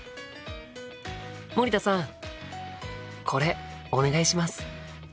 森田さんこれお願いします。